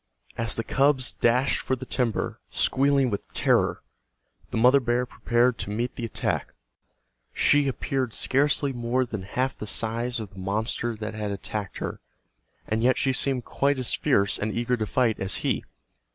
As the cubs dashed for the timber, squealing with terror, the mother bear prepared to meet the attack. She appeared scarcely more than half the size of the monster that had attacked her, and yet she seemed quite as fierce and eager to fight as he.